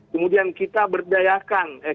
kemudian kita berdayakan mereka